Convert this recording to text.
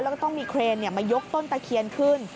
แล้วก็ต้องมีเครนมายกต้นตะเคียนขึ้น